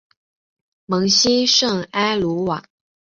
蒙希圣埃卢瓦。